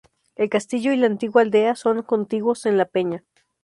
El castillo y la antigua aldea son contiguos en la peña.